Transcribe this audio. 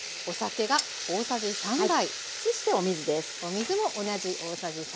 そしてお水です。